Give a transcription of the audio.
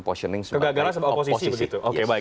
posyoning sebagai oposisi oke baik